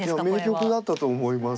いや名局だったと思います。